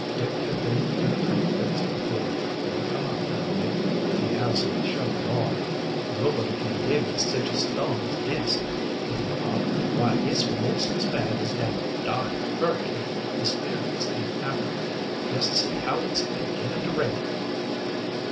"Dick has been in a tight fix before. He'll come out all right, if he has any show at all." "Nobuddy kin lib in sech a storm as dis!" put in Pop. "Why, it's 'most as bad as dat dar hurricane we 'perienced in Africa. Jest see how it's beginnin' to rain."